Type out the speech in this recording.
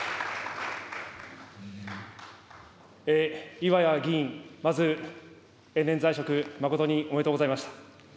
いわや議員、まず、永年在職、誠におめでとうございました。